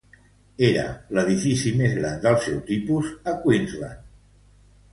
Era l'edifici més gran del seu tipus a Queensland.